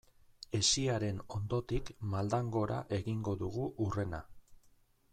Hesiaren ondotik maldan gora egingo dugu hurrena.